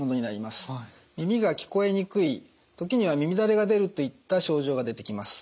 耳が聞こえにくい時には耳だれが出るといった症状が出てきます。